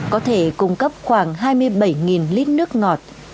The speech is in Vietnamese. có thể cung cấp khoảng hai mươi bảy lít nước ngọt